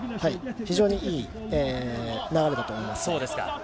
非常にいい流れだと思います。